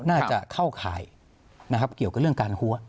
น่าจะเข้าข่ายนะครับเกี่ยวกับเรื่องการหัว